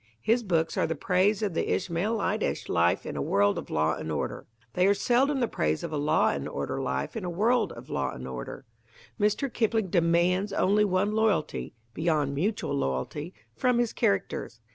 His books are the praise of the Ishmaelitish life in a world of law and order. They are seldom the praise of a law and order life in a world of law and order. Mr. Kipling demands only one loyalty (beyond mutual loyalty) from his characters.